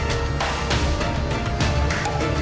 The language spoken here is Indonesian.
sedulur itu kurang mudah